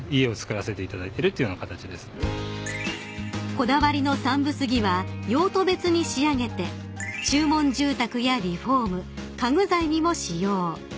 ［こだわりの山武杉は用途別に仕上げて注文住宅やリフォーム家具材にも使用］